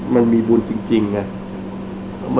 มันมีบุญจริงไง